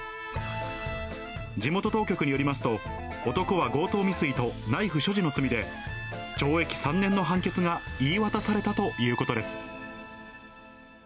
地元当局によりますと、男は強盗未遂とナイフ所持の罪で、懲役３年の判決が言い渡されたということです。